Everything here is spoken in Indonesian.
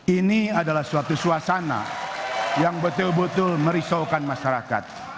ini adalah suatu suasana yang betul betul merisaukan masyarakat